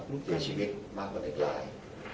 เด็กชีวิตมากกว่าเด็กราย